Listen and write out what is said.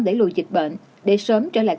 để lùi dịch bệnh để sớm trở lại